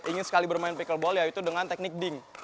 yang ingin sekali bermain pickleball yaitu dengan teknik ding